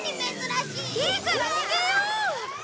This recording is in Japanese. いいから逃げよう！